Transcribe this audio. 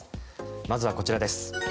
まずはこちらです。